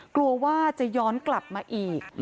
กลัวว่าจะย้อนกลับมาอีก